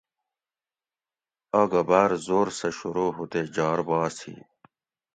آگہ باۤر زور سہ شروع ہو تے جار باس ہی